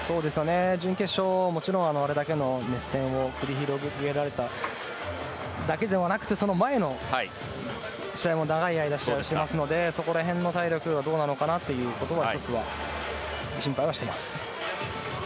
準決勝、もちろんあれだけの熱戦を繰り広げられただけではなくてその前の試合も長い間試合をしていますのでそこら辺の体力がどうなのかなということが１つ心配はしています。